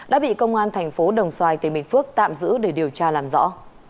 đã bị công an thành phố đồng xoài tỉnh bình phước tạm giữ để điều tra làm rõ